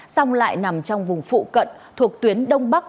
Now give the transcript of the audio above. song lại nằm trong vùng phụ cận thuộc tuyến đông bắc